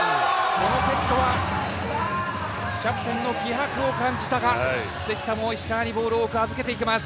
このセットはキャプテンの気迫を感じたか、関田も石川にボールを預けていきます。